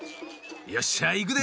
よっしゃいくで！